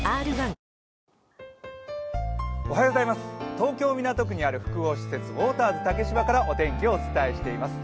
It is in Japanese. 東京・港区にある複合施設、ウォーターズ竹芝からお天気をお伝えしています。